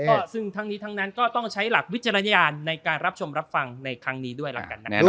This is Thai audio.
ก็ซึ่งทั้งนี้ทั้งนั้นก็ต้องใช้หลักวิจารณญาณในการรับชมรับฟังในครั้งนี้ด้วยแล้วกันนะครับ